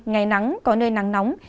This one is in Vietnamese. ngày nắng có nơi nắng nóng